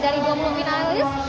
dari dua puluh finalis